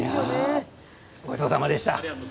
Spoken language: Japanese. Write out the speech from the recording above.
ごちそうさまでした。